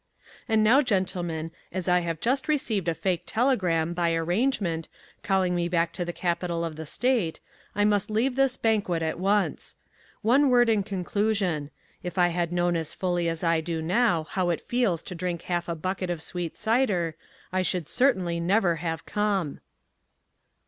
And now, gentlemen, as I have just received a fake telegram, by arrangement, calling me back to the capital of the State, I must leave this banquet at once. One word in conclusion: if I had known as fully as I do now how it feels to drink half a bucket of sweet cider, I should certainly never have come.